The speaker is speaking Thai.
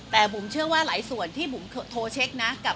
แต่บุ๋มเชื่อว่าหลายส่วนที่บุ๋มโทรเช็คนะ